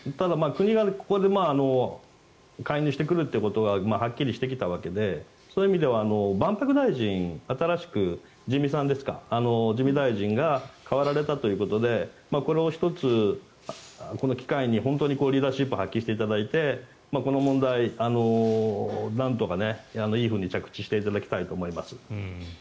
でも、ここで国が介入してくるというのははっきりしてきたわけでそういう意味では万博大臣に新しく自見大臣が代わられたということで１つ、この機会にリーダーシップを発揮していただいてこの問題、なんとかいいふうに着地してもらいたいと思います。